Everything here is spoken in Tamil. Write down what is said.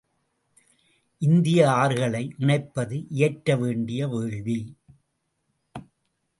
இந்திய ஆறுகளை இணைப்பது இயற்ற வேண்டிய வேள்வி!